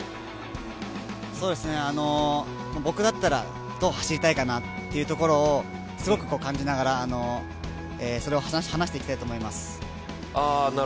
僕だったらどう走りたいかなっていうところをすごく感じながらそれを話していきたいと思います。